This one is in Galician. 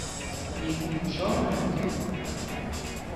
Nin un só dato.